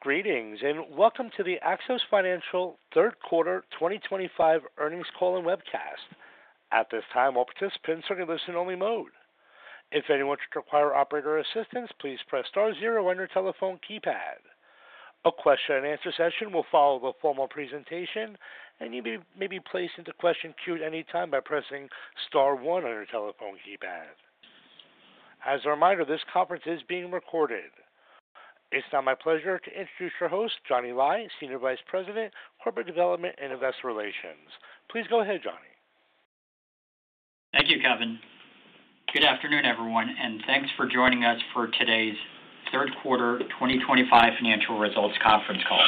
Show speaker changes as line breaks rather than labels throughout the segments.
Greetings and welcome to the Axos Financial third quarter 2025 earnings call and webcast. At this time, all participants are in listen-only mode. If anyone should require operator assistance, please press star zero on your telephone keypad. A question-and-answer session will follow the formal presentation, and you may be placed into question queue at any time by pressing star one on your telephone keypad. As a reminder, this conference is being recorded. It's now my pleasure to introduce your host, Johnny Lai, Senior Vice President, Corporate Development and Investor Relations. Please go ahead, Johnny.
Thank you, Kevin. Good afternoon, everyone, and thanks for joining us for today's third quarter 2025 financial results conference call.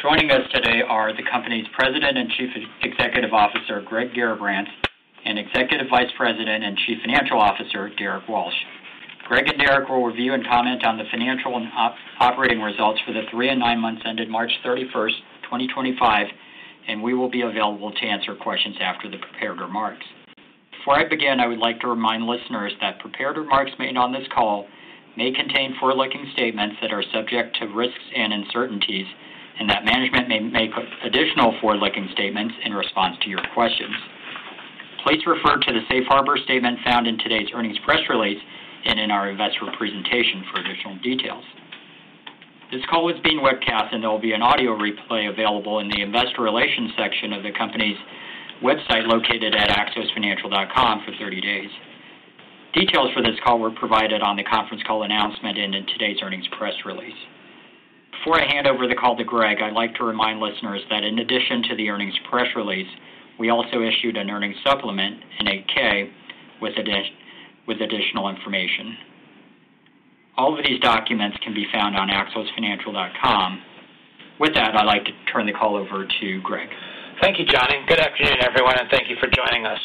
Joining us today are the company's President and Chief Executive Officer, Greg Garrabrants, and Executive Vice President and Chief Financial Officer, Derrick Walsh. Greg and Derrick will review and comment on the financial and operating results for the three and nine months ended March 31st, 2025, and we will be available to answer questions after the prepared remarks. Before I begin, I would like to remind listeners that prepared remarks made on this call may contain forward-looking statements that are subject to risks and uncertainties, and that management may make additional forward-looking statements in response to your questions. Please refer to the safe harbor statement found in today's earnings press release and in our investor presentation for additional details. This call is being webcast, and there will be an audio replay available in the investor relations section of the company's website located at axosfinancial.com for 30 days. Details for this call were provided on the conference call announcement and in today's earnings press release. Before I hand over the call to Greg, I'd like to remind listeners that in addition to the earnings press release, we also issued an earnings supplement, an 8-K, with additional information. All of these documents can be found on axosfinancial.com. With that, I'd like to turn the call over to Greg.
Thank you, Johnny. Good afternoon, everyone, and thank you for joining us.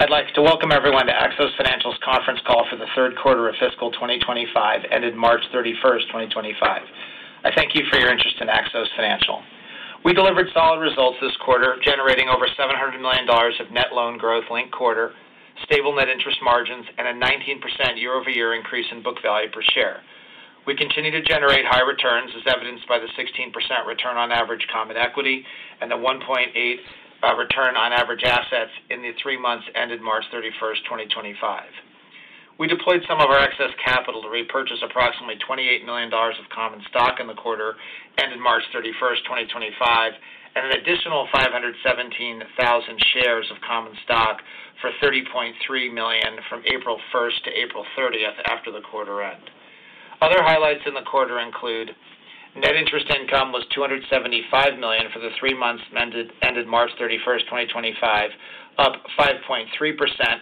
I'd like to welcome everyone to Axos Financial's conference call for the third quarter of fiscal 2025 ended March 31st, 2025. I thank you for your interest in Axos Financial. We delivered solid results this quarter, generating over $700 million of net loan growth linked quarter, stable net interest margins, and a 19% year-over-year increase in book value per share. We continue to generate high returns, as evidenced by the 16% return on average common equity and the 1.8% return on average assets in the three months ended March 31st, 2025. We deployed some of our excess capital to repurchase approximately $28 million of common stock in the quarter ended March 31st, 2025, and an additional 517,000 shares of common stock for $30.3 million from April 1st to April 30th after the quarter end. Other highlights in the quarter include net interest income was $275 million for the three months ended March 31st, 2025, up 5.3%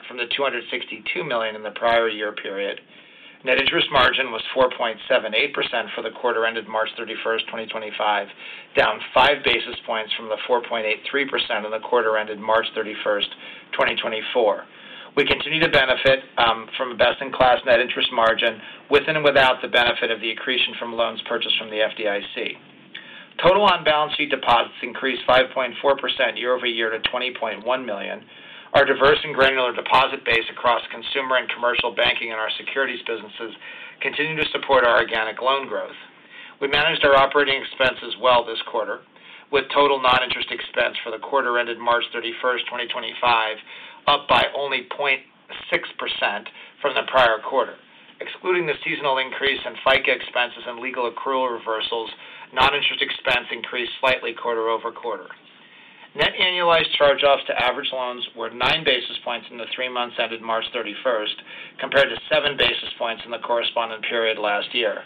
from the $262 million in the prior year period. Net interest margin was 4.78% for the quarter ended March 31st, 2025, down five basis points from the 4.83% on the quarter ended March 31st, 2024. We continue to benefit from a best-in-class net interest margin with and without the benefit of the accretion from loans purchased from the FDIC. Total on-balance sheet deposits increased 5.4% year-over-year to $20.1 billion. Our diverse and granular deposit base across consumer and commercial banking and our securities businesses continue to support our organic loan growth. We managed our operating expenses well this quarter, with total non-interest expense for the quarter ended March 31st, 2025, up by only 0.6% from the prior quarter. Excluding the seasonal increase in FICA expenses and legal accrual reversals, non-interest expense increased slightly quarter over quarter. Net annualized charge-offs to average loans were nine basis points in the three months ended March 31st compared to seven basis points in the corresponding period last year.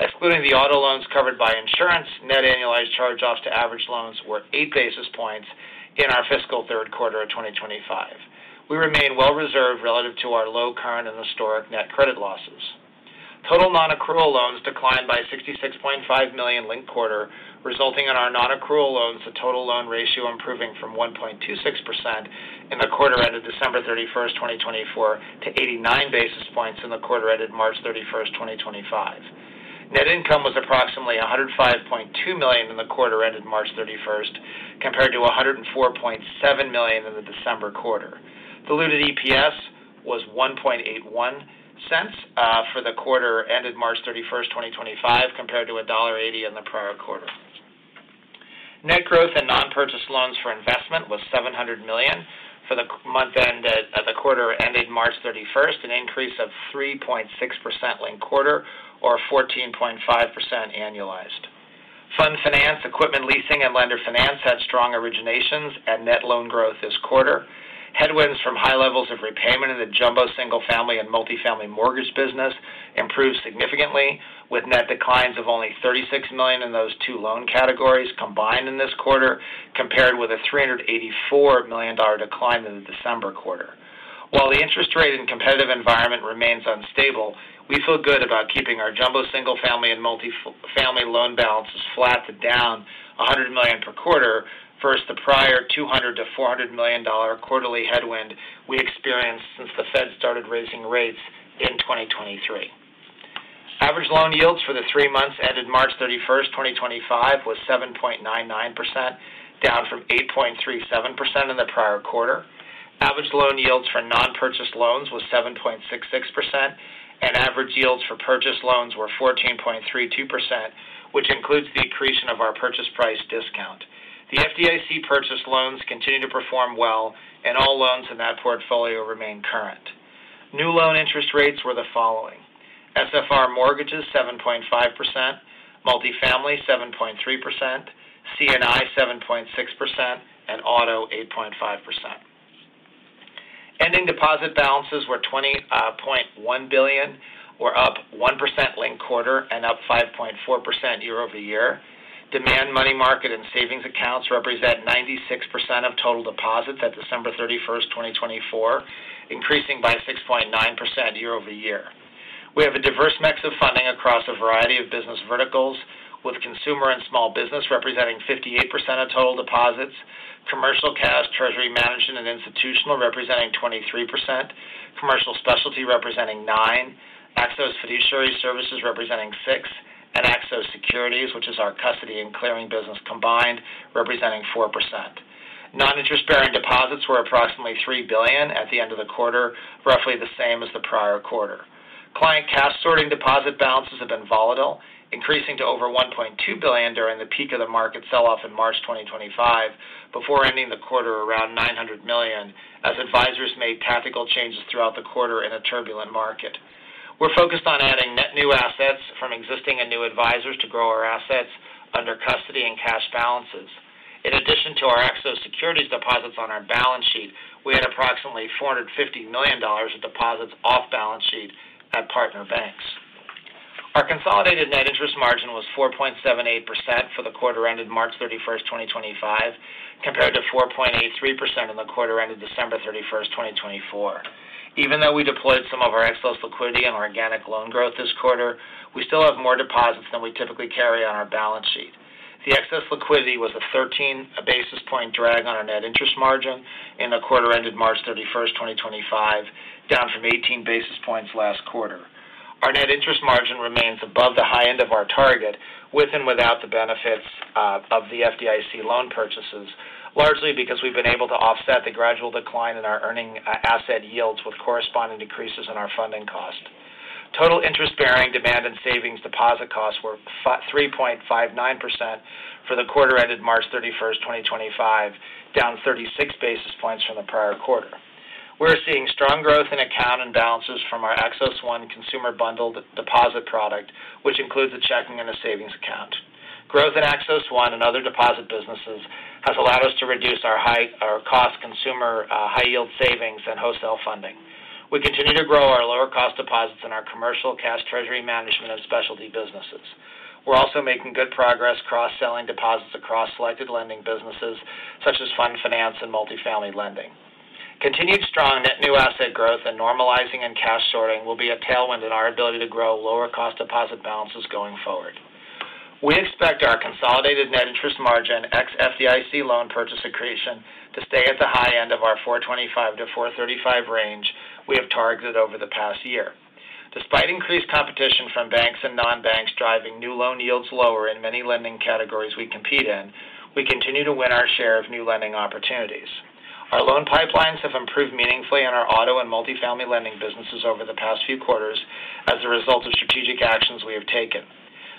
Excluding the auto loans covered by insurance, net annualized charge-offs to average loans were eight basis points in our fiscal third quarter of 2025. We remain well-preserved relative to our low current and historic net credit losses. Total non-accrual loans declined by $66.5 million linked quarter, resulting in our non-accrual loans to total loan ratio improving from 1.26% in the quarter ended December 31st, 2024, to 89 basis points in the quarter ended March 31st, 2025. Net income was approximately $105.2 million in the quarter ended March 31st compared to $104.7 million in the December quarter. Diluted EPS was $1.81 for the quarter ended March 31st, 2025, compared to $1.80 in the prior quarter. Net growth in non-purchased loans for investment was $700 million for the month ended at the quarter ended March 31st, an increase of 3.6% linked quarter or 14.5% annualized. Fund finance, equipment leasing, and lender finance had strong originations and net loan growth this quarter. Headwinds from high levels of repayment in the jumbo single-family and multifamily mortgage business improved significantly, with net declines of only $36 million in those two loan categories combined in this quarter compared with a $384 million decline in the December quarter. While the interest rate and competitive environment remains unstable, we feel good about keeping our jumbo single-family and multifamily loan balances flat to down $100 million per quarter versus the prior $200-$400 million quarterly headwind we experienced since the Fed started raising rates in 2023. Average loan yields for the three months ended March 31st, 2025, was 7.99%, down from 8.37% in the prior quarter. Average loan yields for non-purchased loans was 7.66%, and average yields for purchased loans were 14.32%, which includes the accretion of our purchase price discount. The FDIC purchased loans continue to perform well, and all loans in that portfolio remain current. New loan interest rates were the following: SFR mortgages 7.5%, multifamily 7.3%, C&I 7.6%, and auto 8.5%. Ending deposit balances were $20.1 billion, were up 1% linked quarter and up 5.4% year-over-year. Demand money market and savings accounts represent 96% of total deposits at December 31st, 2024, increasing by 6.9% year-over-year. We have a diverse mix of funding across a variety of business verticals, with consumer and small business representing 58% of total deposits, commercial cash, treasury management, and institutional representing 23%, commercial specialty representing 9%, Axos Fiduciary Services representing 6%, and Axos Securities, which is our custody and clearing business combined, representing 4%. Non-interest-bearing deposits were approximately $3 billion at the end of the quarter, roughly the same as the prior quarter. Client cash sorting deposit balances have been volatile, increasing to over $1.2 billion during the peak of the market sell-off in March 2025, before ending the quarter around $900 million, as advisors made tactical changes throughout the quarter in a turbulent market. We're focused on adding net new assets from existing and new advisors to grow our assets under custody and cash balances. In addition to our Axos Securities deposits on our balance sheet, we had approximately $450 million of deposits off balance sheet at partner banks. Our consolidated net interest margin was 4.78% for the quarter ended March 31st, 2025, compared to 4.83% in the quarter ended December 31st, 2024. Even though we deployed some of our excess liquidity and organic loan growth this quarter, we still have more deposits than we typically carry on our balance sheet. The excess liquidity was a 13-basis point drag on our net interest margin in the quarter ended March 31st, 2025, down from 18 basis points last quarter. Our net interest margin remains above the high end of our target with and without the benefits of the FDIC loan purchases, largely because we've been able to offset the gradual decline in our earning asset yields with corresponding decreases in our funding cost. Total interest-bearing demand and savings deposit costs were 3.59% for the quarter ended March 31st, 2025, down 36 basis points from the prior quarter. We're seeing strong growth in account and balances from our Axos One consumer bundled deposit product, which includes a checking and a savings account. Growth in Axos One and other deposit businesses has allowed us to reduce our high-cost consumer high-yield savings and wholesale funding. We continue to grow our lower-cost deposits in our commercial cash, treasury management, and specialty businesses. We're also making good progress cross-selling deposits across selected lending businesses such as fund finance and multifamily lending. Continued strong net new asset growth and normalizing and cash sorting will be a tailwind in our ability to grow lower-cost deposit balances going forward. We expect our consolidated net interest margin ex-FDIC loan purchase accretion to stay at the high end of our 4.25%-4.35% range we have targeted over the past year. Despite increased competition from banks and non-banks driving new loan yields lower in many lending categories we compete in, we continue to win our share of new lending opportunities. Our loan pipelines have improved meaningfully in our auto and multifamily lending businesses over the past few quarters as a result of strategic actions we have taken.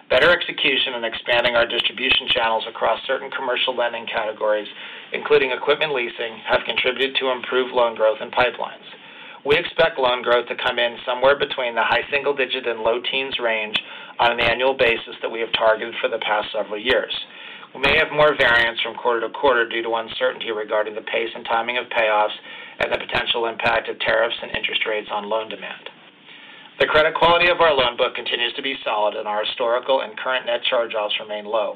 Better execution and expanding our distribution channels across certain commercial lending categories, including equipment leasing, have contributed to improved loan growth and pipelines. We expect loan growth to come in somewhere between the high single-digit and low teens range on an annual basis that we have targeted for the past several years. We may have more variance from quarter to quarter due to uncertainty regarding the pace and timing of payoffs and the potential impact of tariffs and interest rates on loan demand. The credit quality of our loan book continues to be solid, and our historical and current net charge-offs remain low.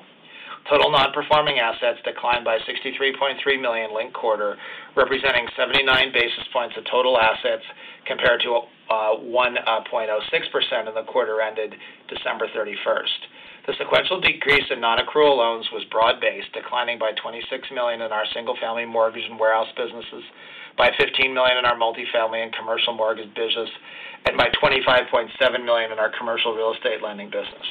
Total non-performing assets declined by $63.3 million linked quarter, representing 79 basis points of total assets compared to 1.06% in the quarter ended December 31st. The sequential decrease in non-accrual loans was broad-based, declining by $26 million in our single-family mortgage and warehouse businesses, by $15 million in our multifamily and commercial mortgage business, and by $25.7 million in our commercial real estate lending business.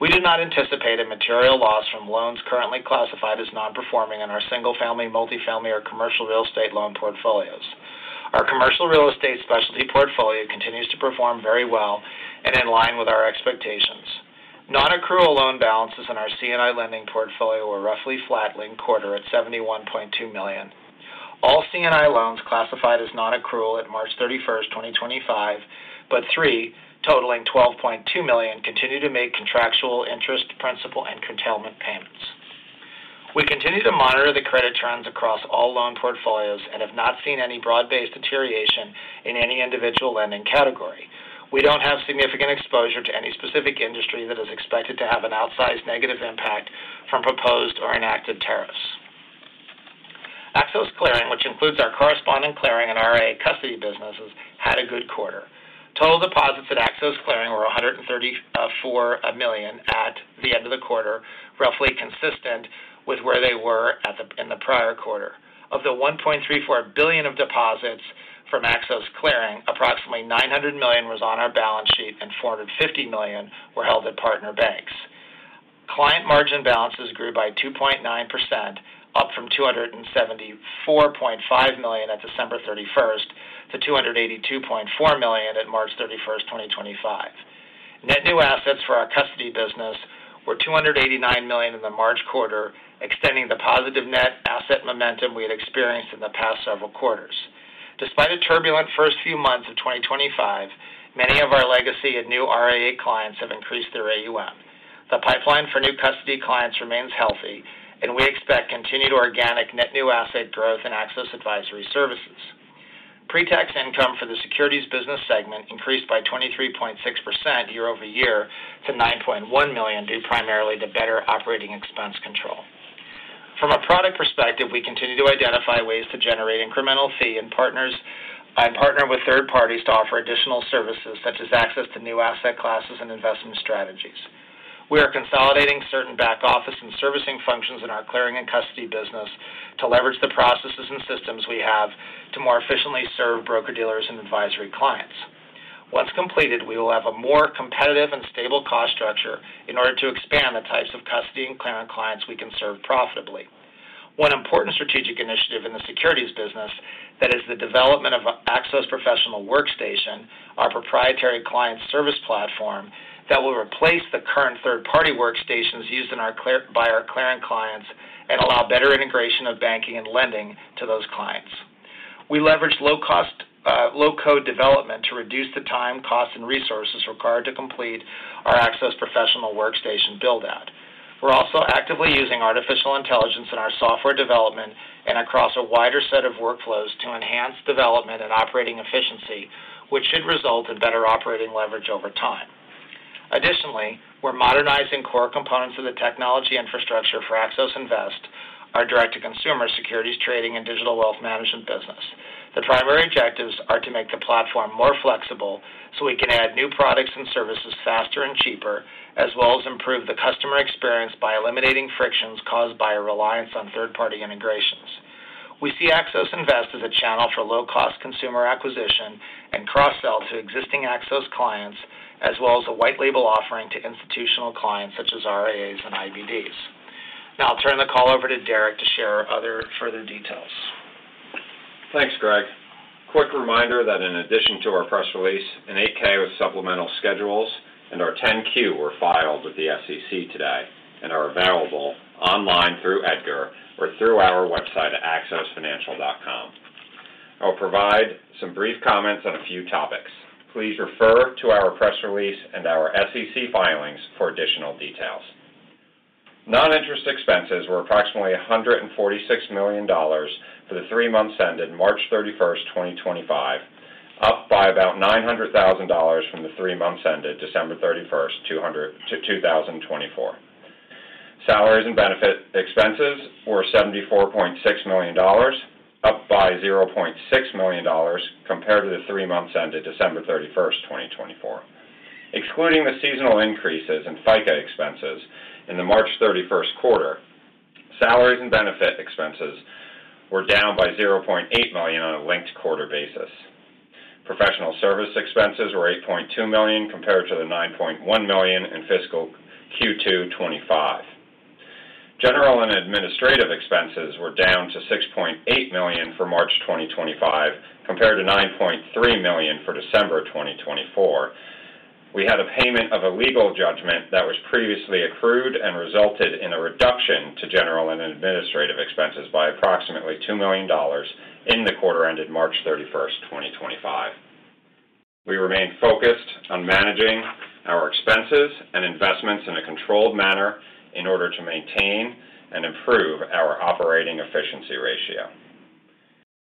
We do not anticipate a material loss from loans currently classified as non-performing in our single-family, multifamily, or commercial real estate loan portfolios. Our commercial real estate specialty portfolio continues to perform very well and in line with our expectations. Non-accrual loan balances in our C&I lending portfolio were roughly flat linked quarter at $71.2 million. All C&I loans classified as non-accrual at March 31st, 2025, but three, totaling $12.2 million, continue to meet contractual interest, principal, and curtailment payments. We continue to monitor the credit trends across all loan portfolios and have not seen any broad-based deterioration in any individual lending category. We do not have significant exposure to any specific industry that is expected to have an outsized negative impact from proposed or enacted tariffs. Axos Clearing, which includes our correspondent clearing and our custody businesses, had a good quarter. Total deposits at Axos Clearing were $134 million at the end of the quarter, roughly consistent with where they were in the prior quarter. Of the $1.34 billion of deposits from Axos Clearing, approximately $900 million was on our balance sheet and $450 million were held at partner banks. Client margin balances grew by 2.9%, up from $274.5 million at December 31st to $282.4 million at March 31st, 2025. Net new assets for our custody business were $289 million in the March quarter, extending the positive net asset momentum we had experienced in the past several quarters. Despite a turbulent first few months of 2025, many of our legacy and new RAA clients have increased their AUM. The pipeline for new custody clients remains healthy, and we expect continued organic net new asset growth in Axos Advisory Services. Pre-tax income for the securities business segment increased by 23.6% year-over-year to $9.1 million due primarily to better operating expense control. From a product perspective, we continue to identify ways to generate incremental fee and partner with third parties to offer additional services such as access to new asset classes and investment strategies. We are consolidating certain back office and servicing functions in our clearing and custody business to leverage the processes and systems we have to more efficiently serve broker-dealers and advisory clients. Once completed, we will have a more competitive and stable cost structure in order to expand the types of custody and clearing clients we can serve profitably. One important strategic initiative in the securities business is the development of Axos Professional Workstation, our proprietary client service platform, that will replace the current third-party workstations used by our clearing clients and allow better integration of banking and lending to those clients. We leverage low-code development to reduce the time, cost, and resources required to complete our Axos Professional Workstation build-out. We're also actively using artificial intelligence in our software development and across a wider set of workflows to enhance development and operating efficiency, which should result in better operating leverage over time. Additionally, we're modernizing core components of the technology infrastructure for Axos Invest, our direct-to-consumer securities, trading, and digital wealth management business. The primary objectives are to make the platform more flexible so we can add new products and services faster and cheaper, as well as improve the customer experience by eliminating frictions caused by a reliance on third-party integrations. We see Axos Invest as a channel for low-cost consumer acquisition and cross-sell to existing Axos clients, as well as a white-label offering to institutional clients such as RIAs and IBDs. Now I'll turn the call over to Derrick to share other further details.
Thanks, Greg. Quick reminder that in addition to our press release, an 8-K with supplemental schedules and our 10-Q were filed with the SEC today and are available online through EDGAR or through our website at axosfinancial.com. I'll provide some brief comments on a few topics. Please refer to our press release and our SEC filings for additional details. Non-interest expenses were approximately $146 million for the three months ended March 31st, 2025, up by about $900,000 from the three months ended December 31st, 2024. Salaries and benefit expenses were $74.6 million, up by $0.6 million compared to the three months ended December 31st, 2024. Excluding the seasonal increases in FICA expenses in the March 31st quarter, salaries and benefit expenses were down by $0.8 million on a linked quarter basis. Professional service expenses were $8.2 million compared to the $9.1 million in fiscal Q2 2025. General and administrative expenses were down to $6.8 million for March 2025 compared to $9.3 million for December 2024. We had a payment of a legal judgment that was previously accrued and resulted in a reduction to general and administrative expenses by approximately $2 million in the quarter ended March 31st, 2025. We remained focused on managing our expenses and investments in a controlled manner in order to maintain and improve our operating efficiency ratio.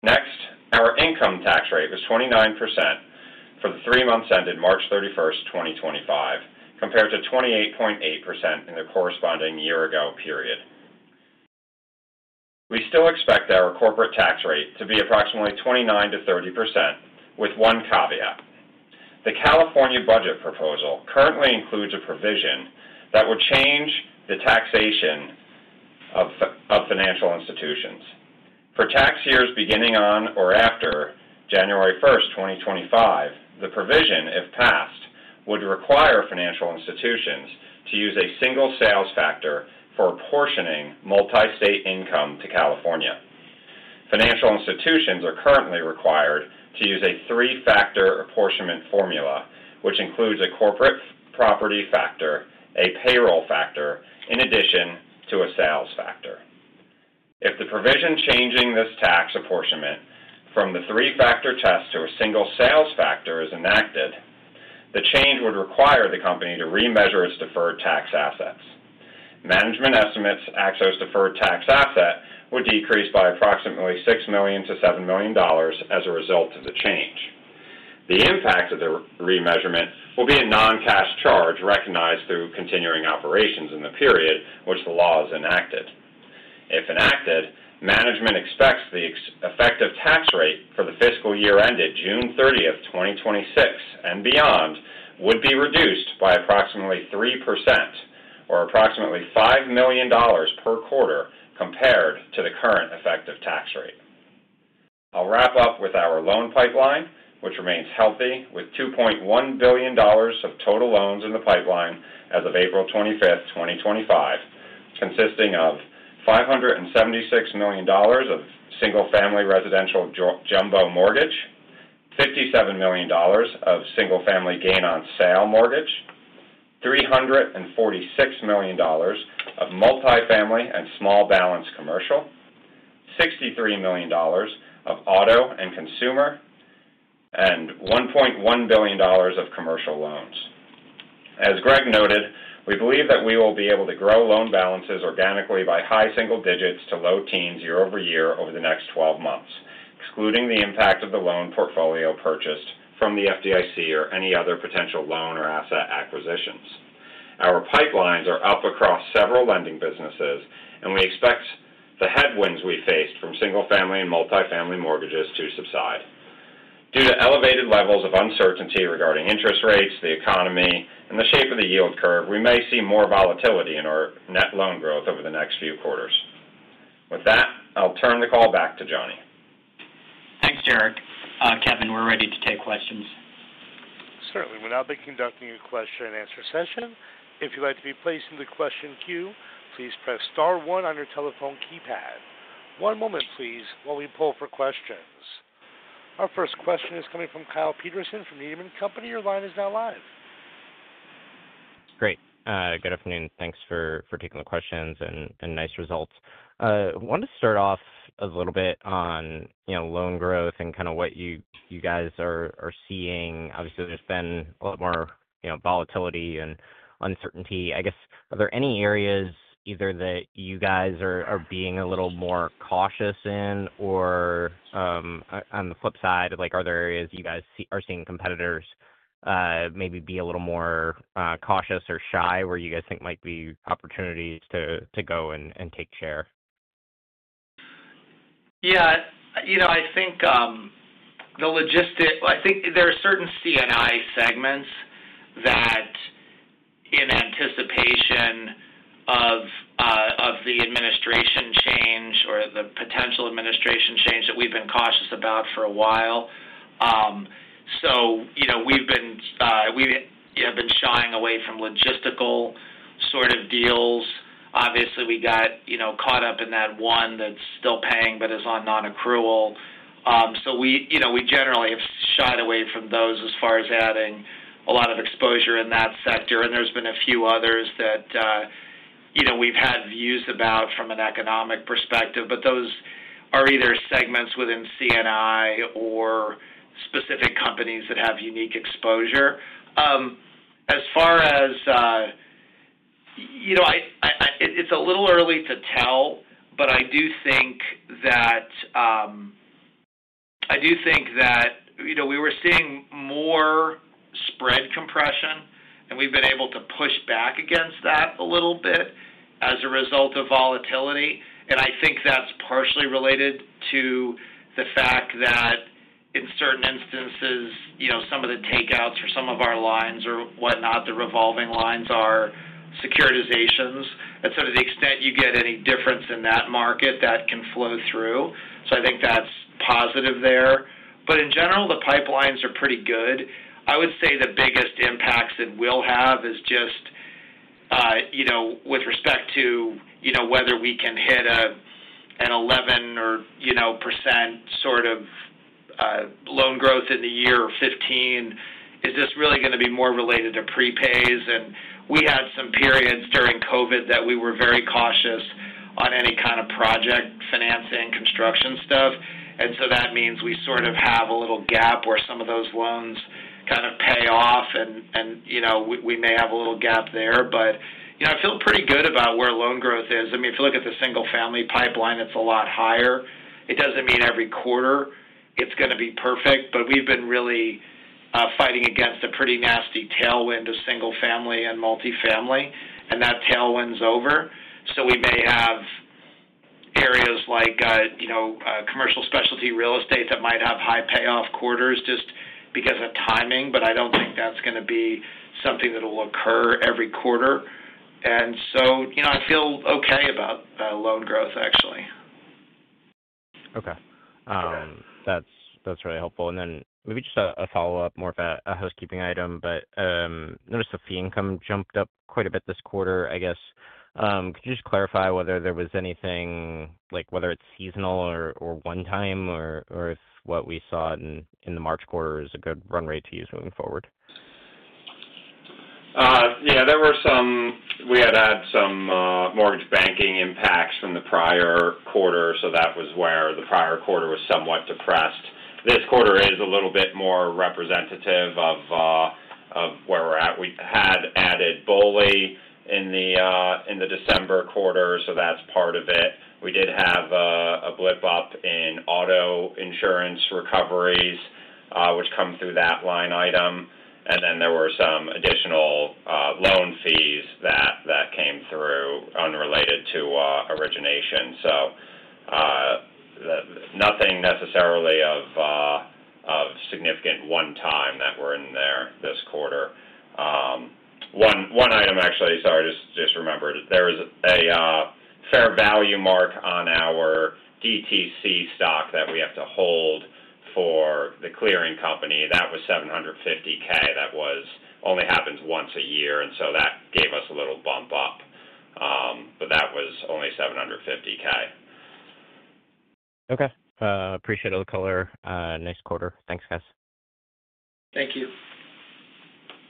Next, our income tax rate was 29% for the three months ended March 31st, 2025, compared to 28.8% in the corresponding year-ago period. We still expect our corporate tax rate to be approximately 29%-30%, with one caveat. The California budget proposal currently includes a provision that would change the taxation of financial institutions. For tax years beginning on or after January 1st, 2025, the provision, if passed, would require financial institutions to use a single sales factor for apportioning multi-state income to California. Financial institutions are currently required to use a three-factor apportionment formula, which includes a corporate property factor, a payroll factor, in addition to a sales factor. If the provision changing this tax apportionment from the three-factor test to a single sales factor is enacted, the change would require the company to remeasure its deferred tax assets. Management estimates Axos' deferred tax asset would decrease by approximately $6 million-$7 million as a result of the change. The impact of the remeasurement will be a non-cash charge recognized through continuing operations in the period in which the law is enacted. If enacted, management expects the effective tax rate for the fiscal year ended June 30th, 2026, and beyond would be reduced by approximately 3% or approximately $5 million per quarter compared to the current effective tax rate. I'll wrap up with our loan pipeline, which remains healthy with $2.1 billion of total loans in the pipeline as of April 25th, 2025, consisting of $576 million of single-family residential jumbo mortgage, $57 million of single-family gain-on-sale mortgage, $346 million of multifamily and small balance commercial, $63 million of auto and consumer, and $1.1 billion of commercial loans. As Greg noted, we believe that we will be able to grow loan balances organically by high single digits to low teens year-over-year over the next 12 months, excluding the impact of the loan portfolio purchased from the FDIC or any other potential loan or asset acquisitions. Our pipelines are up across several lending businesses, and we expect the headwinds we faced from single-family and multi-family mortgages to subside. Due to elevated levels of uncertainty regarding interest rates, the economy, and the shape of the yield curve, we may see more volatility in our net loan growth over the next few quarters. With that, I'll turn the call back to Johnny.
Thanks, Derrick. Kevin, we're ready to take questions.
Certainly. We'll now be conducting a question-and-answer session. If you'd like to be placed in the question queue, please press star one on your telephone keypad. One moment, please, while we pull for questions. Our first question is coming from Kyle Peterson from Needham & Company. Your line is now live.
Great. Good afternoon. Thanks for taking the questions and nice results. I wanted to start off a little bit on loan growth and kind of what you guys are seeing. Obviously, there's been a lot more volatility and uncertainty. I guess, are there any areas either that you guys are being a little more cautious in, or on the flip side, are there areas you guys are seeing competitors maybe be a little more cautious or shy where you guys think might be opportunities to go and take share?
Yeah. I think there are certain C&I segments that, in anticipation of the administration change or the potential administration change, we've been cautious about for a while. We have been shying away from logistical sort of deals. Obviously, we got caught up in that one that's still paying but is on non-accrual. We generally have shy away from those as far as adding a lot of exposure in that sector. There have been a few others that we've had views about from an economic perspective, but those are either segments within C&I or specific companies that have unique exposure. As far as it's a little early to tell, I do think that we were seeing more spread compression, and we've been able to push back against that a little bit as a result of volatility. I think that's partially related to the fact that in certain instances, some of the takeouts or some of our lines or whatnot, the revolving lines are securitizations. To the extent you get any difference in that market, that can flow through. I think that's positive there. In general, the pipelines are pretty good. I would say the biggest impacts it will have is just with respect to whether we can hit an 11% sort of loan growth in the year 2015. Is this really going to be more related to prepays? We had some periods during COVID that we were very cautious on any kind of project financing, construction stuff. That means we sort of have a little gap where some of those loans kind of pay off, and we may have a little gap there. I feel pretty good about where loan growth is. I mean, if you look at the single-family pipeline, it's a lot higher. It doesn't mean every quarter it's going to be perfect, but we've been really fighting against a pretty nasty tailwind of single-family and multifamily, and that tailwind's over. We may have areas like commercial specialty real estate that might have high payoff quarters just because of timing, but I don't think that's going to be something that will occur every quarter. I feel okay about loan growth, actually.
Okay. That's really helpful. Maybe just a follow-up, more of a housekeeping item, but I noticed the fee income jumped up quite a bit this quarter, I guess. Could you just clarify whether there was anything, whether it's seasonal or one-time or if what we saw in the March quarter is a good run rate to use moving forward?
Yeah. We had had some mortgage banking impacts from the prior quarter, so that was where the prior quarter was somewhat depressed. This quarter is a little bit more representative of where we're at. We had added BOLI in the December quarter, so that's part of it. We did have a blip up in auto insurance recoveries, which come through that line item. There were some additional loan fees that came through unrelated to origination. Nothing necessarily of significant one-time that were in there this quarter. One item, actually, sorry, just remembered. There is a fair value mark on our DTC stock that we have to hold for the clearing company. That was $750,000. That only happens once a year, and so that gave us a little bump up, but that was only $750,000.
Okay. Appreciate it. I'll call her next quarter. Thanks, guys.
Thank you.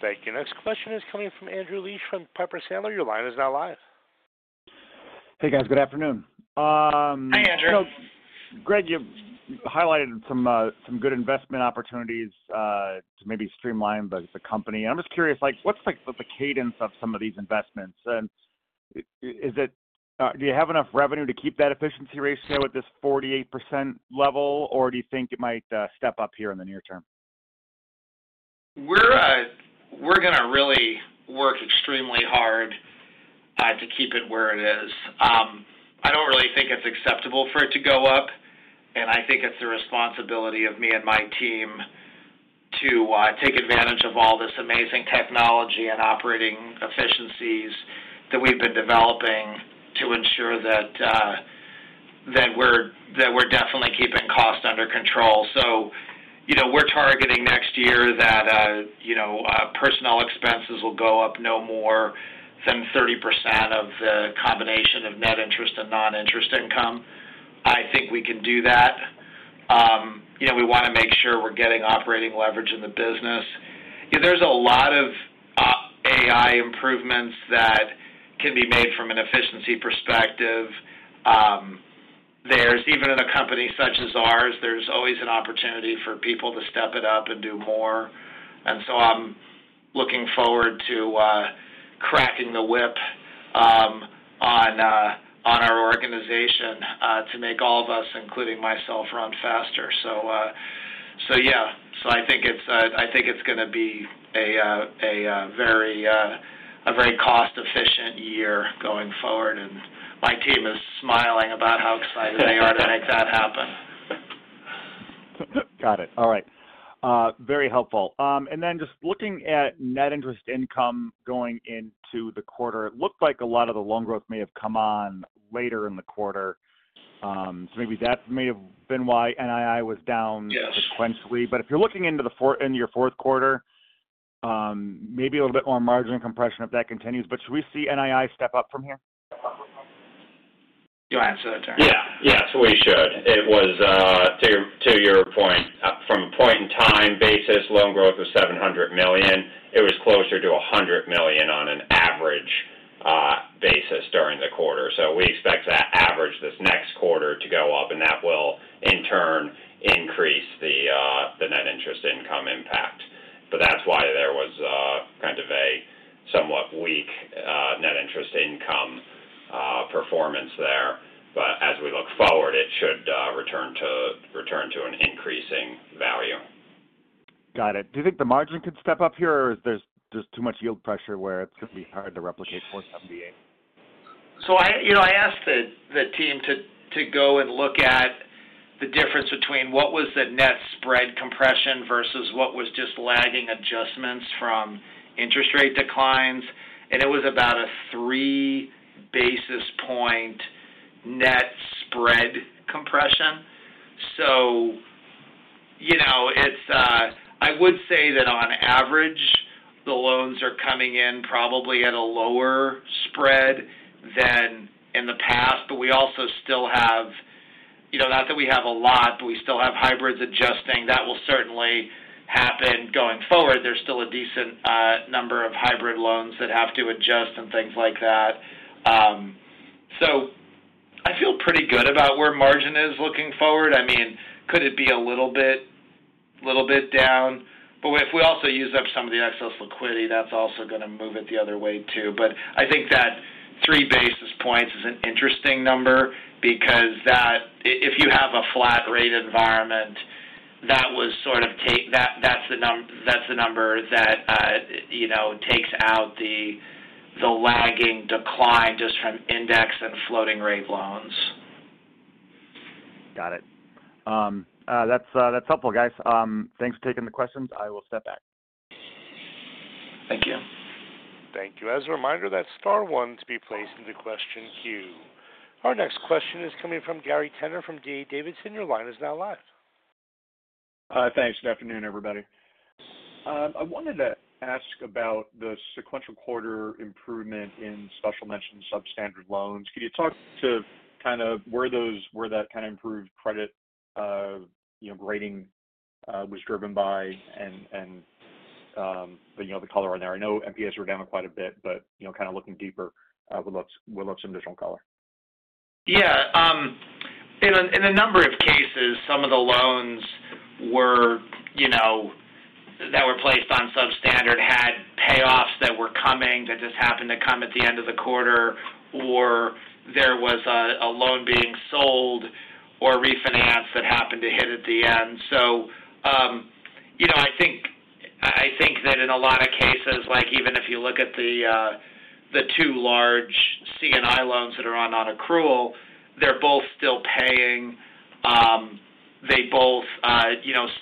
Thank you. Next question is coming from Andrew Liesch from Piper Sandler. Your line is now live.
Hey, guys. Good afternoon.
Hi, Andrew.
Greg, you highlighted some good investment opportunities to maybe streamline the company. I'm just curious, what's the cadence of some of these investments? Do you have enough revenue to keep that efficiency ratio at this 48% level, or do you think it might step up here in the near term?
We're going to really work extremely hard to keep it where it is. I don't really think it's acceptable for it to go up, and I think it's the responsibility of me and my team to take advantage of all this amazing technology and operating efficiencies that we've been developing to ensure that we're definitely keeping cost under control. We're targeting next year that personnel expenses will go up no more than 30% of the combination of net interest and non-interest income. I think we can do that. We want to make sure we're getting operating leverage in the business. There's a lot of AI improvements that can be made from an efficiency perspective. Even in a company such as ours, there's always an opportunity for people to step it up and do more. I'm looking forward to cracking the whip on our organization to make all of us, including myself, run faster. Yeah. I think it's going to be a very cost-efficient year going forward, and my team is smiling about how excited they are to make that happen.
Got it. All right. Very helpful. Then just looking at net interest income going into the quarter, it looked like a lot of the loan growth may have come on later in the quarter. Maybe that may have been why NII was down sequentially. If you're looking into your fourth quarter, maybe a little bit more margin compression if that continues. Should we see NII step up from here?
You'll answer that, Derrick.
Yeah. Yeah. We should. It was, to your point, from a point-in-time basis, loan growth was $700 million. It was closer to $100 million on an average basis during the quarter. We expect that average this next quarter to go up, and that will, in turn, increase the net interest income impact. That is why there was kind of a somewhat weak net interest income performance there. As we look forward, it should return to an increasing value.
Got it. Do you think the margin could step up here, or is there just too much yield pressure where it's going to be hard to replicate 478?
I asked the team to go and look at the difference between what was the net spread compression versus what was just lagging adjustments from interest rate declines, and it was about a three-basis point net spread compression. I would say that on average, the loans are coming in probably at a lower spread than in the past, but we also still have, not that we have a lot, but we still have hybrids adjusting. That will certainly happen going forward. There is still a decent number of hybrid loans that have to adjust and things like that. I feel pretty good about where margin is looking forward. I mean, could it be a little bit down? If we also use up some of the excess liquidity, that is also going to move it the other way too. I think that three basis points is an interesting number because if you have a flat-rate environment, that was sort of that's the number that takes out the lagging decline just from index and floating-rate loans.
Got it. That's helpful, guys. Thanks for taking the questions. I will step back.
Thank you.
Thank you. As a reminder, that is star one to be placed into the question queue. Our next question is coming from Gary Tenner from D.A. Davidson. Your line is now live.
Thanks. Good afternoon, everybody. I wanted to ask about the sequential quarter improvement in special mention substandard loans. Can you talk to kind of where that kind of improved credit rating was driven by and the color on there? I know NPLs were down quite a bit, but kind of looking deeper, we'll have some additional color.
Yeah. In a number of cases, some of the loans that were placed on substandard had payoffs that were coming that just happened to come at the end of the quarter, or there was a loan being sold or refinanced that happened to hit at the end. I think that in a lot of cases, even if you look at the two large C&I loans that are on non-accrual, they're both still paying. They both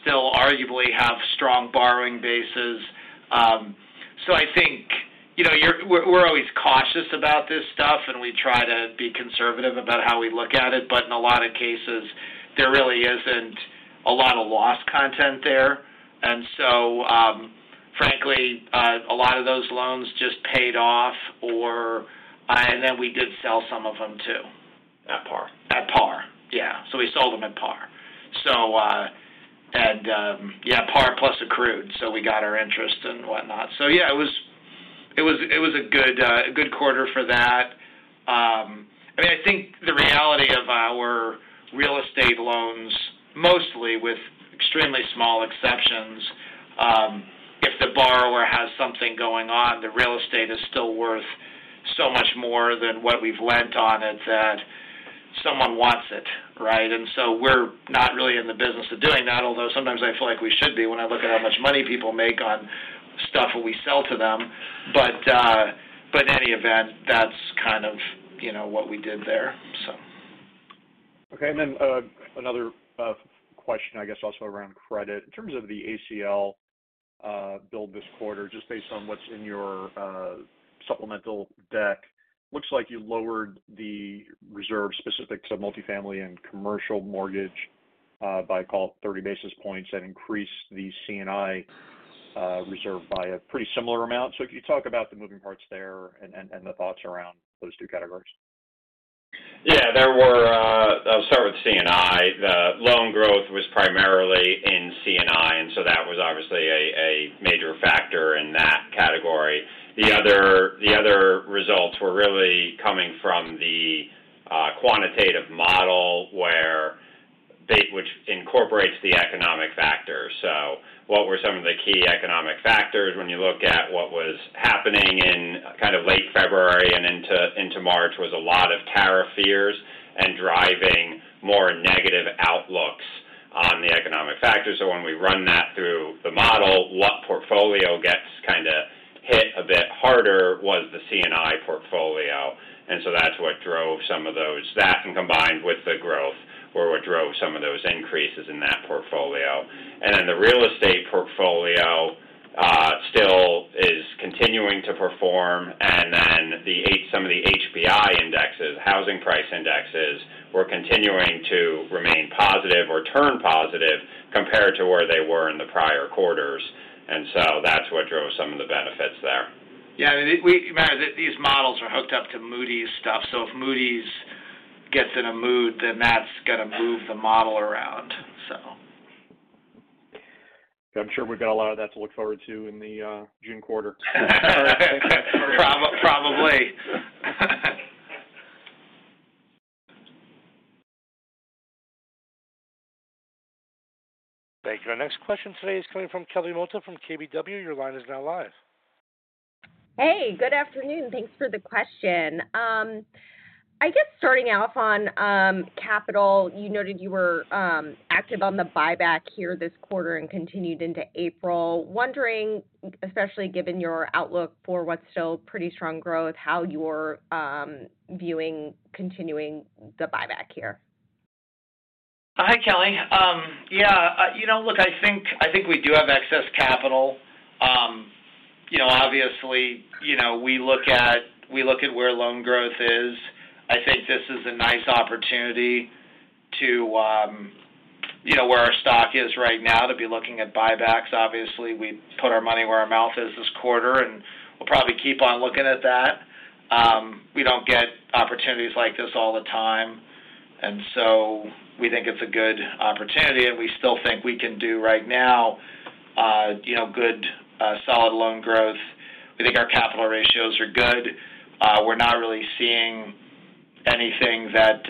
still arguably have strong borrowing bases. I think we're always cautious about this stuff, and we try to be conservative about how we look at it. In a lot of cases, there really isn't a lot of loss content there. Frankly, a lot of those loans just paid off, and then we did sell some of them too.
At par.
At par. Yeah. We sold them at par. Yeah, par plus accrued. We got our interest and whatnot. Yeah, it was a good quarter for that. I mean, I think the reality of our real estate loans, mostly with extremely small exceptions, if the borrower has something going on, the real estate is still worth so much more than what we've lent on it that someone wants it, right? We're not really in the business of doing that, although sometimes I feel like we should be when I look at how much money people make on stuff that we sell to them. In any event, that's kind of what we did there.
Okay. Another question, I guess, also around credit. In terms of the ACL build this quarter, just based on what's in your supplemental deck, looks like you lowered the reserve specific to multifamily and commercial mortgage by 30 basis points and increased the C&I reserve by a pretty similar amount. Can you talk about the moving parts there and the thoughts around those two categories?
Yeah. I'll start with C&I. The loan growth was primarily in C&I, and that was obviously a major factor in that category. The other results were really coming from the quantitative model, which incorporates the economic factors. What were some of the key economic factors? When you look at what was happening in kind of late February and into March, there was a lot of tariff fears and driving more negative outlooks on the economic factors. When we run that through the model, what portfolio gets kind of hit a bit harder was the C&I portfolio. That is what drove some of those. That combined with the growth were what drove some of those increases in that portfolio. The real estate portfolio still is continuing to perform. Some of the HPI indexes, housing price indexes, were continuing to remain positive or turn positive compared to where they were in the prior quarters. That is what drove some of the benefits there.
Yeah. These models are hooked up to Moody's stuff. If Moody's gets in a mood, then that's going to move the model around.
I'm sure we've got a lot of that to look forward to in the June quarter.
Probably.
Thank you. Our next question today is coming from Kelly Motta from KBW. Your line is now live.
Hey. Good afternoon. Thanks for the question. I guess starting off on capital, you noted you were active on the buyback here this quarter and continued into April. Wondering, especially given your outlook for what's still pretty strong growth, how you're viewing continuing the buyback here.
Hi, Kelly. Yeah. Look, I think we do have excess capital. Obviously, we look at where loan growth is. I think this is a nice opportunity to where our stock is right now to be looking at buybacks. Obviously, we put our money where our mouth is this quarter, and we'll probably keep on looking at that. We do not get opportunities like this all the time. We think it is a good opportunity, and we still think we can do right now good solid loan growth. We think our capital ratios are good. We are not really seeing anything that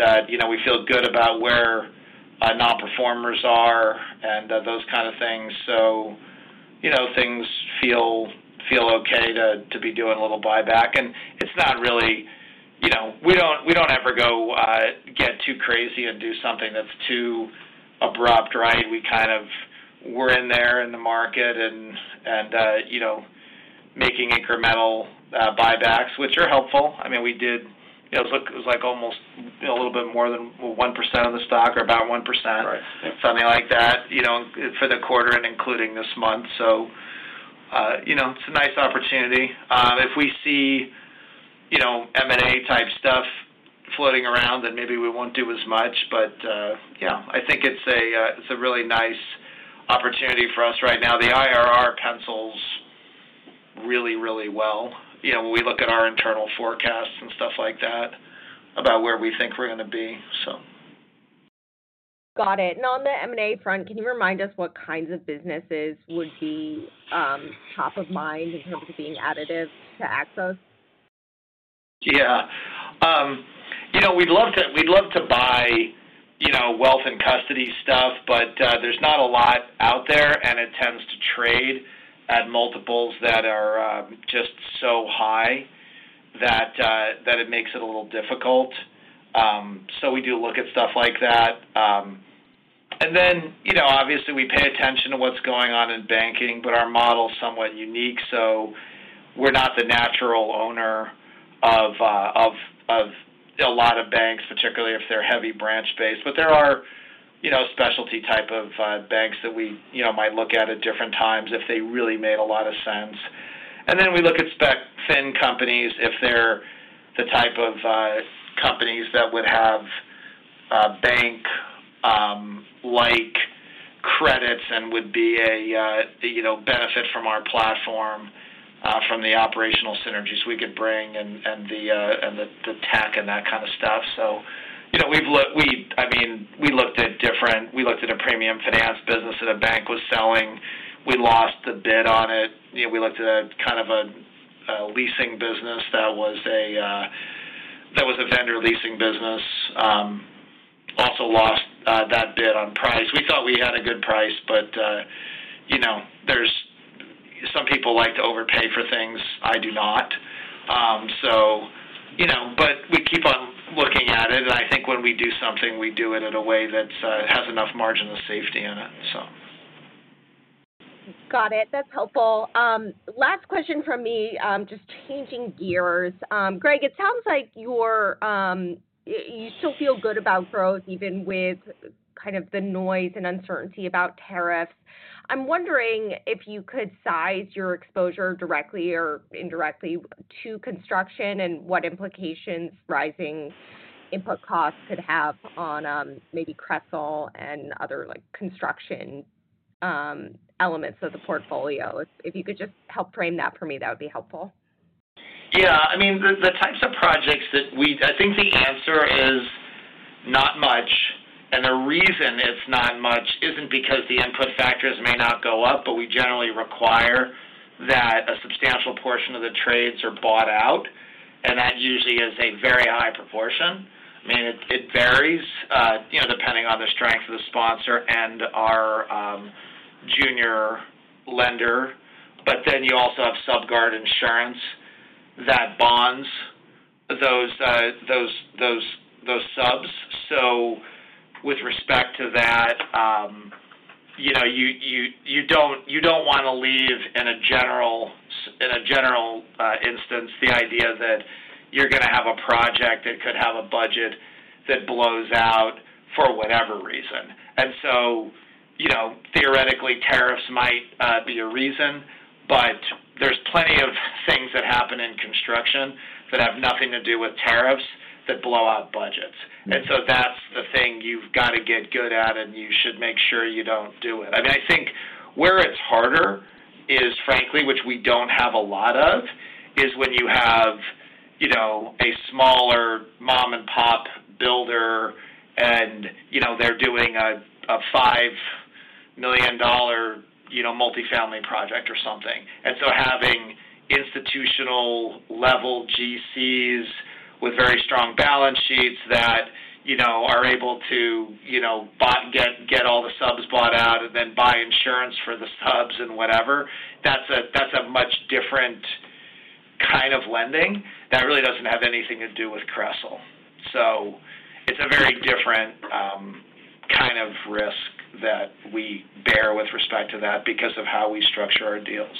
we feel good about where non-performers are and those kind of things. Things feel okay to be doing a little buyback. It is not really we do not ever go get too crazy and do something that is too abrupt, right? We're in there in the market and making incremental buybacks, which are helpful. I mean, we did, it was almost a little bit more than 1% of the stock or about 1%, something like that for the quarter and including this month. It is a nice opportunity. If we see M&A type stuff floating around, then maybe we will not do as much. Yeah, I think it is a really nice opportunity for us right now. The IRR pencils really, really well when we look at our internal forecasts and stuff like that about where we think we are going to be.
Got it. On the M&A front, can you remind us what kinds of businesses would be top of mind in terms of being additive to Axos?
Yeah. We'd love to buy wealth and custody stuff, but there's not a lot out there, and it tends to trade at multiples that are just so high that it makes it a little difficult. We do look at stuff like that. Obviously, we pay attention to what's going on in banking, but our model is somewhat unique. We're not the natural owner of a lot of banks, particularly if they're heavy branch-based. There are specialty type of banks that we might look at at different times if they really made a lot of sense. We look at SPAC Fin companies if they're the type of companies that would have bank-like credits and would be a benefit from our platform, from the operational synergies we could bring and the tech and that kind of stuff. I mean, we looked at different, we looked at a premium finance business that a bank was selling. We lost a bid on it. We looked at a kind of a leasing business that was a vendor leasing business. Also lost that bid on price. We thought we had a good price, but some people like to overpay for things. I do not. We keep on looking at it. I think when we do something, we do it in a way that has enough margin of safety in it, so.
Got it. That's helpful. Last question from me, just changing gears. Greg, it sounds like you still feel good about growth even with kind of the noise and uncertainty about tariffs. I'm wondering if you could size your exposure directly or indirectly to construction and what implications rising input costs could have on maybe C&I loans and other construction elements of the portfolio. If you could just help frame that for me, that would be helpful.
Yeah. I mean, the types of projects that we, I think the answer is not much. The reason it's not much isn't because the input factors may not go up, but we generally require that a substantial portion of the trades are bought out. That usually is a very high proportion. I mean, it varies depending on the strength of the sponsor and our junior lender. You also have Subguard insurance that bonds those subs. With respect to that, you do not want to leave in a general instance the idea that you're going to have a project that could have a budget that blows out for whatever reason. Theoretically, tariffs might be a reason, but there are plenty of things that happen in construction that have nothing to do with tariffs that blow out budgets. That's the thing you've got to get good at, and you should make sure you don't do it. I mean, I think where it's harder is, frankly, which we don't have a lot of, is when you have a smaller mom-and-pop builder and they're doing a $5 million multifamily project or something. Having institutional-level GCs with very strong balance sheets that are able to get all the subs bought out and then buy insurance for the subs and whatever, that's a much different kind of lending that really doesn't have anything to do with CRESL. It's a very different kind of risk that we bear with respect to that because of how we structure our deals.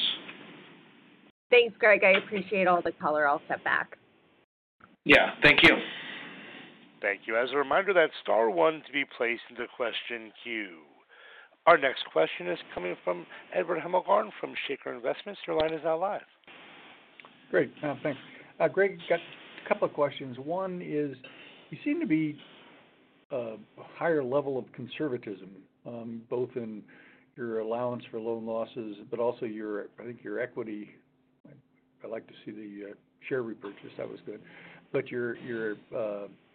Thanks, Greg. I appreciate all the color. I'll step back.
Yeah. Thank you.
Thank you. As a reminder, that is star one to be placed into the question queue. Our next question is coming from Edward Hemmelgarn from Shaker Investments. Your line is now live.
Great. Thanks. Greg, got a couple of questions. One is, you seem to be a higher level of conservatism, both in your allowance for loan losses, but also I think your equity. I like to see the share repurchase. That was good. Your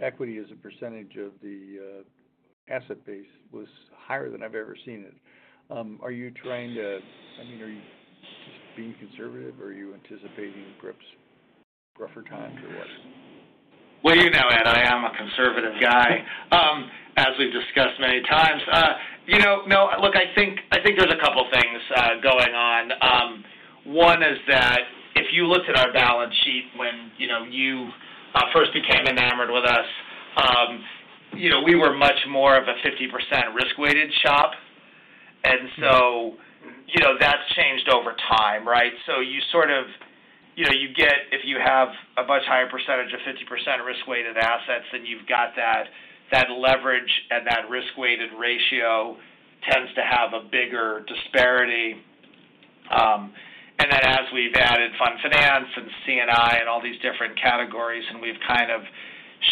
equity as a percentage of the asset base was higher than I've ever seen it. Are you trying to, I mean, are you just being conservative? Are you anticipating rougher times or what?
You know it. I am a conservative guy, as we've discussed many times. No, look, I think there's a couple of things going on. One is that if you looked at our balance sheet when you first became enamored with us, we were much more of a 50% risk-weighted shop. That has changed over time, right? You sort of, if you have a much higher percentage of 50% risk-weighted assets, then you've got that leverage and that risk-weighted ratio tends to have a bigger disparity. As we've added fund finance and C&I and all these different categories, and we've kind of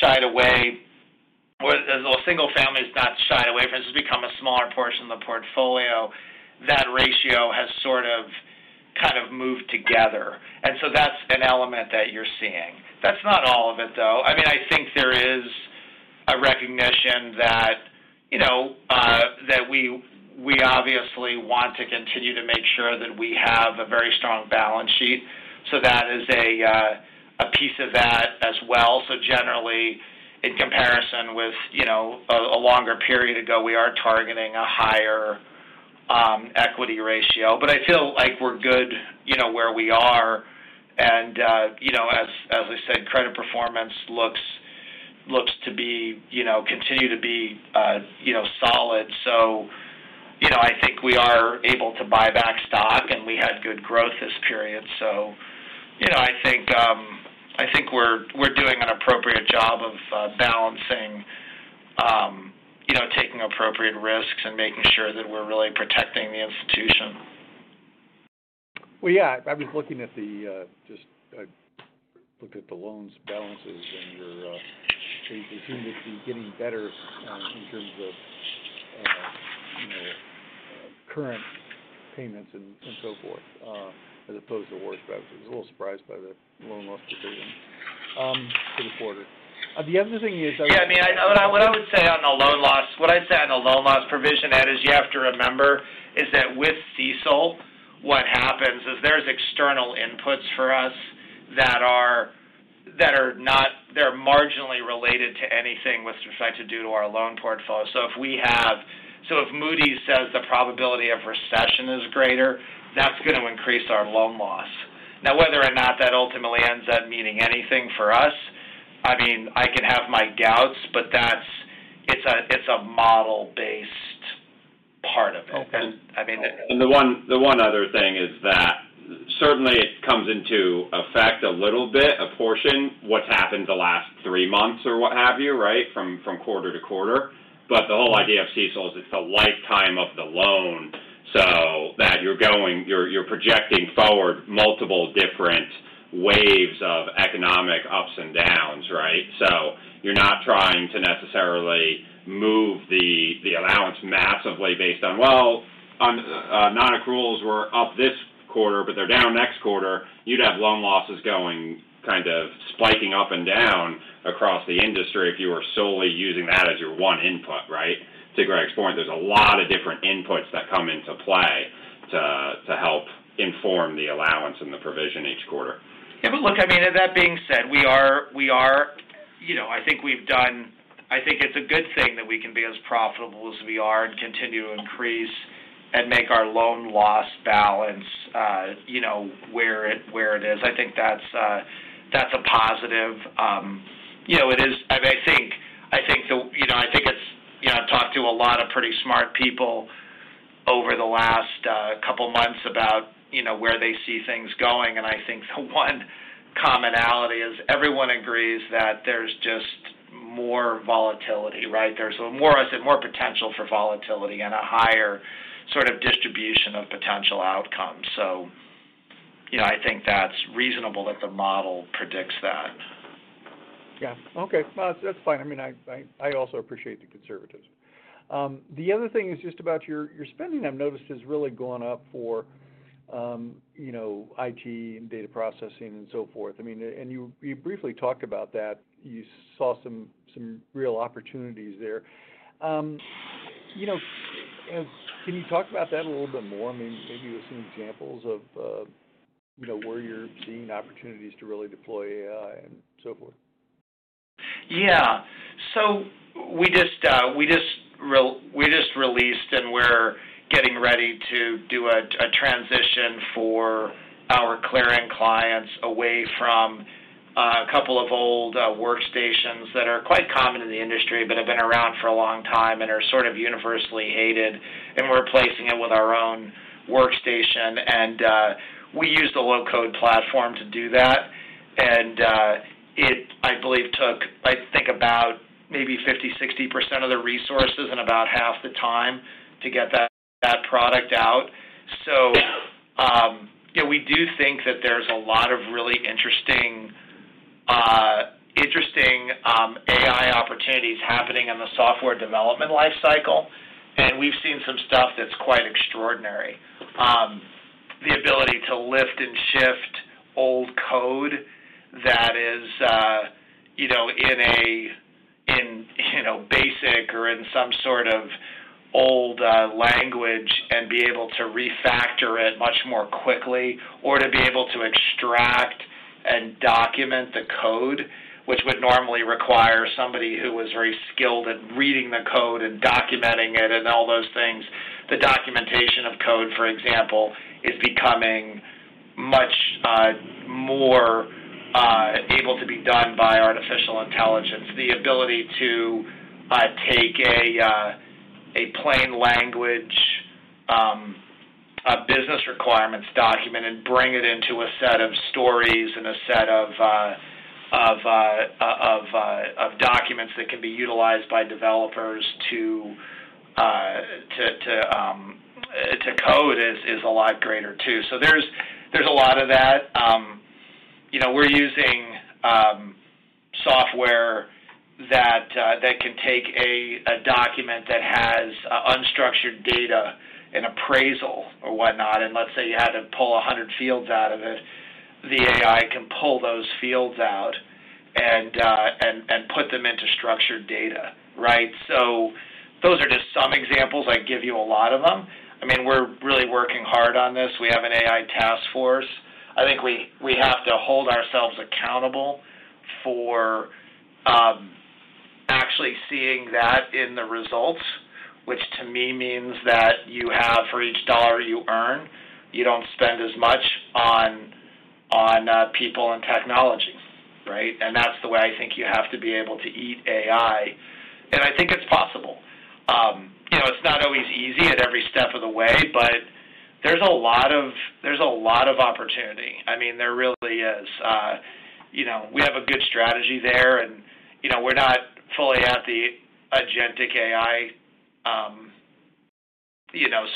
shied away, well, single family is not shied away from. It's just become a smaller portion of the portfolio. That ratio has sort of kind of moved together. That is an element that you're seeing. That is not all of it, though. I mean, I think there is a recognition that we obviously want to continue to make sure that we have a very strong balance sheet. That is a piece of that as well. Generally, in comparison with a longer period ago, we are targeting a higher equity ratio. I feel like we're good where we are. As I said, credit performance looks to continue to be solid. I think we are able to buy back stock, and we had good growth this period. I think we're doing an appropriate job of balancing, taking appropriate risks, and making sure that we're really protecting the institution.
Yeah. I was looking at the just looked at the loans' balances, and it seemed to be getting better in terms of current payments and so forth as opposed to worse balances. I was a little surprised by the loan loss decision for the quarter. The other thing is.
Yeah. I mean, what I would say on the loan loss, what I say on the loan loss provision that is you have to remember is that with CECL, what happens is there's external inputs for us that are not they're marginally related to anything with respect to our loan portfolio. So if we have so if Moody's says the probability of recession is greater, that's going to increase our loan loss. Now, whether or not that ultimately ends up meaning anything for us, I mean, I can have my doubts, but it's a model-based part of it.
Okay. The one other thing is that certainly it comes into effect a little bit, a portion, what's happened the last three months or what have you, right, from quarter to quarter. The whole idea of CECL is it's the lifetime of the loan so that you're projecting forward multiple different waves of economic ups and downs, right? You're not trying to necessarily move the allowance massively based on, "Well, non-accruals were up this quarter, but they're down next quarter." You'd have loan losses going kind of spiking up and down across the industry if you were solely using that as your one input, right? To Greg's point, there's a lot of different inputs that come into play to help inform the allowance and the provision each quarter.
Yeah. Look, I mean, that being said, we are, I think we've done, I think it's a good thing that we can be as profitable as we are and continue to increase and make our loan loss balance where it is. I think that's a positive. I think the, I think it's, I've talked to a lot of pretty smart people over the last couple of months about where they see things going. I think the one commonality is everyone agrees that there's just more volatility, right? There's more, I said, more potential for volatility and a higher sort of distribution of potential outcomes. I think that's reasonable that the model predicts that.
Yeah. Okay. That's fine. I mean, I also appreciate the conservatives. The other thing is just about your spending. I've noticed it's really going up for IT and data processing and so forth. I mean, you briefly talked about that. You saw some real opportunities there. Can you talk about that a little bit more? I mean, maybe with some examples of where you're seeing opportunities to really deploy AI and so forth.
Yeah. We just released and we're getting ready to do a transition for our clearing clients away from a couple of old workstations that are quite common in the industry but have been around for a long time and are sort of universally hated. We're replacing it with our own workstation. We use the low-code platform to do that. I believe it took, I think, about maybe 50%-60% of the resources and about half the time to get that product out. We do think that there's a lot of really interesting AI opportunities happening in the software development life cycle. We've seen some stuff that's quite extraordinary. The ability to lift and shift old code that is in a basic or in some sort of old language and be able to refactor it much more quickly or to be able to extract and document the code, which would normally require somebody who was very skilled at reading the code and documenting it and all those things. The documentation of code, for example, is becoming much more able to be done by artificial intelligence. The ability to take a plain language business requirements document and bring it into a set of stories and a set of documents that can be utilized by developers to code is a lot greater too. There is a lot of that. We are using software that can take a document that has unstructured data and appraisal or whatnot. Let's say you had to pull 100 fields out of it. The AI can pull those fields out and put them into structured data, right? Those are just some examples. I give you a lot of them. I mean, we're really working hard on this. We have an AI task force. I think we have to hold ourselves accountable for actually seeing that in the results, which to me means that for each dollar you earn, you don't spend as much on people and technology, right? That's the way I think you have to be able to eat AI. I think it's possible. It's not always easy at every step of the way, but there's a lot of opportunity. I mean, there really is. We have a good strategy there. We're not fully at the agentic AI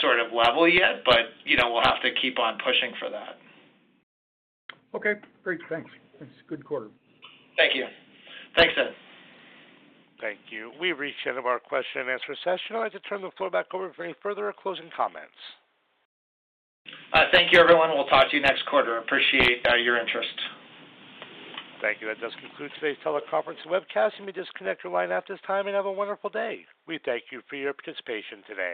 sort of level yet, but we'll have to keep on pushing for that.
Okay. Great. Thanks. It's a good quarter.
Thank you. Thanks, Ed.
Thank you. We've reached the end of our question and answer session. I'd like to turn the floor back over for any further closing comments.
Thank you, everyone. We'll talk to you next quarter. I appreciate your interest.
Thank you. That does conclude today's teleconference webcast. You may disconnect your line at this time and have a wonderful day. We thank you for your participation today.